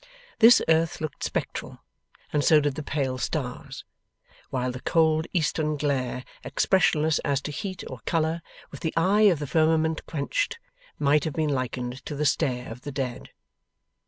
This earth looked spectral, and so did the pale stars: while the cold eastern glare, expressionless as to heat or colour, with the eye of the firmament quenched, might have been likened to the stare of the dead.